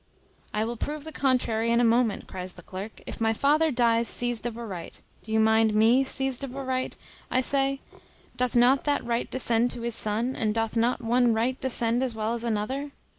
"I will prove the contrary in a moment," cries the clerk: "if my father dies seized of a right; do you mind me, seized of a right, I say; doth not that right descend to his son; and doth not one right descend as well as another?"